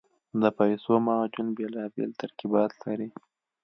د پیسو معجون بېلابېل ترکیبات لري.